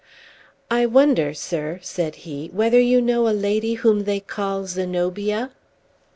"I wonder, sir," said he, "whether you know a lady whom they call Zenobia?"